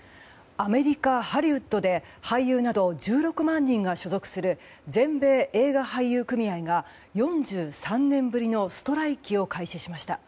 アメリカ・ハリウッドで俳優など１６万人が所属する全米映画俳優組合が４３年ぶりのストライキを開始しました。